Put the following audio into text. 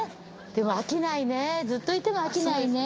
でも飽きないねずっといても飽きないね。